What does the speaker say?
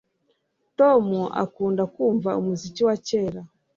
Tom akunda kumva umuziki wa kera